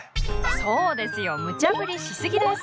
そうですよムチャぶりしすぎです。